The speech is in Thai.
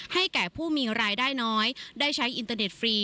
แก่ผู้มีรายได้น้อยได้ใช้อินเตอร์เน็ตฟรี